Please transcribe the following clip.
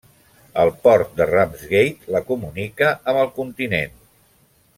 El port de Ramsgate la comunica amb el continent.